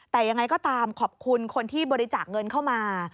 แต่ยังไงก็ตามขอบคุณคนที่บริจาคเงินเข้ามา